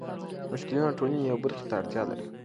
مشکلونه د ټولنې یوې برخې ته اړتيا لري.